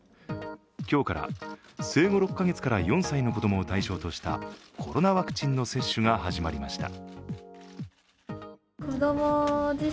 今日から生後６か月から４歳の子供を対象としたコロナワクチンの接種が始まりました。